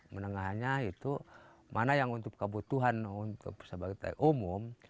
menengahnya itu mana yang untuk kebutuhan untuk sebagai umum